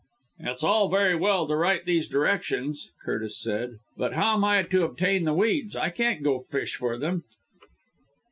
'" "It's all very well to write all these directions," Curtis said, "but how am I to obtain the weeds? I can't go and fish for them."